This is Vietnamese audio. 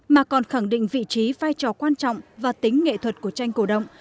mà còn khẳng định vị trí vai trò quan trọng và tính nghệ thuật của tranh cổ động